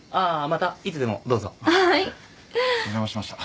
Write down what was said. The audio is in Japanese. お邪魔しました。